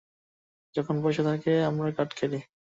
যখন পয়সা থাকে, আমরা কার্ড খেলি।